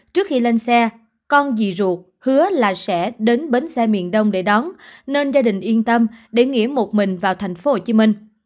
trước khi lên xe con dì ruột hứa là sẽ đến bến xe miền đông để đón nên gia đình yên tâm để nghĩa một mình vào tp hcm